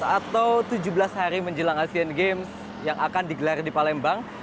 tujuh belas atau tujuh belas hari menjelang asean games yang akan digelar di palembang